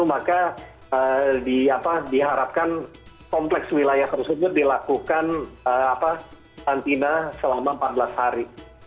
maka diharapkan kompleks wilayah tersebut dilakukan antina selama empat belas hari